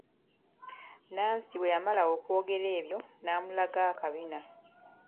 Nansi bwe yamala okwogera ebyo n'amulaga akabina.